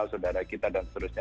saudara kita dan seterusnya